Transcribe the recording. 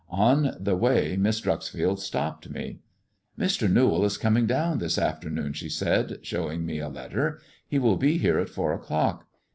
On the way Miss Dreuxfield stopped me. " Mr. Newall is coming down this afternoon," she said, showing me a letter; "he will be here at four o'clock.